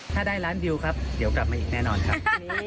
ถ้าได้ล้านวิวครับเดี๋ยวกลับมาอีกแน่นอนครับ